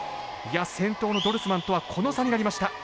先頭のドルスマンとはこの差になりました。